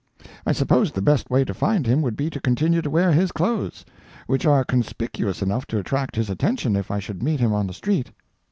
I supposed the best way to find him would be to continue to wear his clothes, which are conspicuous enough to attract his attention if I should meet him on the street."